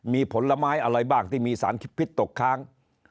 มีผลไม้อะไรบ้างที่มีสารพิษพิษตกค้าง